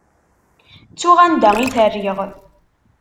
Ttuɣ anda i t-rriɣ.